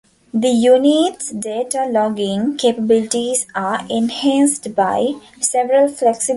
The unit's data logging capabilities are enhanced by several flexible options for output.